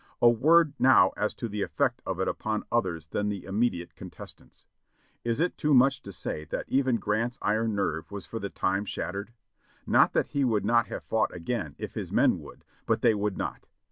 A word now as to the effect of it upon others than the immediate contestants. Is it too much to say that even Grant's iron nerve was for the time shattered? Not that he would not have fought again if his men would, but they would not.